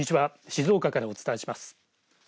静岡からお伝えします。